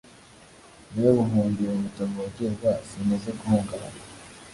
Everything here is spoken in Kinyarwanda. ni yo buhungiro butavogerwa, sinteze guhungabana